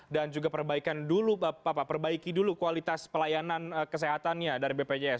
dan juga perbaiki dulu kualitas pelayanan kesehatannya dari bpjs